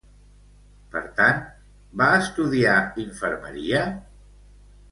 Per tant, va estudiar Infermeria?